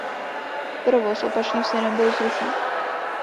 Provoz opačným směrem byl zrušen.